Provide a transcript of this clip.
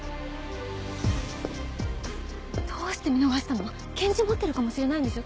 どうして見逃したの⁉拳銃持ってるかもしれないんでしょ？